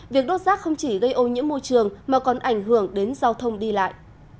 việc đốt rác không chỉ gây ô nhiễm môi trường mà còn ảnh hưởng đến giao thông đi lại